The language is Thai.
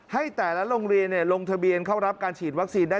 ให้แต่ละโรงเรียนลงทะเบียนเข้ารับการฉีดวัคซีนได้